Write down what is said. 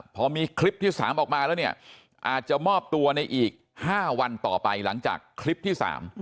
พอมีคลิปที่๓ออกมาแล้วเนี่ยอาจจะมอบตัวในอีก๕วันต่อไปหลังจากคลิปที่๓